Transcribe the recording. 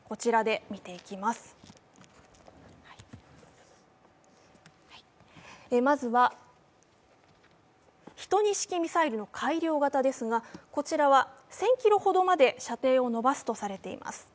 まずは、１２式ミサイルの改良型ですが、こちらは１０００ｋｍほどまで射程を伸ばすとされています。